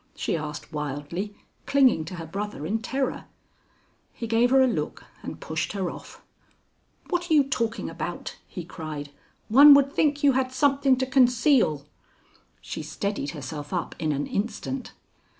she asked wildly, clinging to her brother in terror. He gave her a look and pushed her off. "What are you talking about?" he cried. "One would think you had something to conceal." She steadied herself up in an instant.